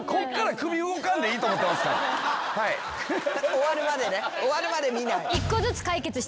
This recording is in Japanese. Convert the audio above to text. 終わるまでね終わるまで見ない。